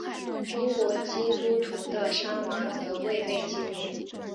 中国基督徒的伤亡则未被记录。